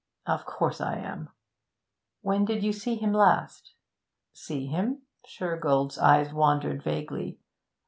'Of course I am. 'When did you see him last?' 'See him?' Shergold's eyes wandered vaguely.